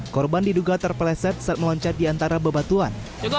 korban diduga terpeleset saat meloncat di antara bebatuan